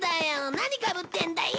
何かぶってんだよ？